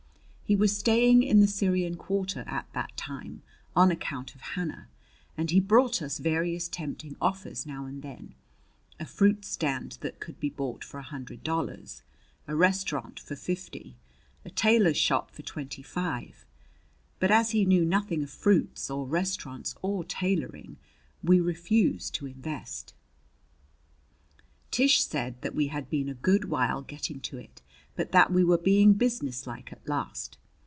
He was staying in the Syrian quarter at that time, on account of Hannah; and he brought us various tempting offers now and then a fruit stand that could be bought for a hundred dollars; a restaurant for fifty; a tailor's shop for twenty five. But, as he knew nothing of fruits or restaurants or tailoring, we refused to invest. Tish said that we had been a good while getting to it, but that we were being businesslike at last.